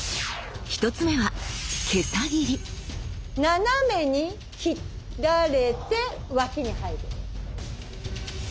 １つ目は斜めに斬られて脇に入る。